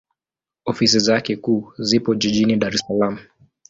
Ofisi zake kuu zipo Jijini Dar es Salaam.